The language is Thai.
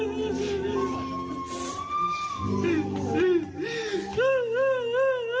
เพียรม